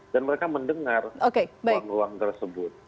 dan mereka mendengar ruang ruang tersebut